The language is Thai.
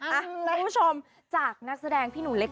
เอาเดียวท่านผู้ชมจากนักแสดงพี่หนูเล็ก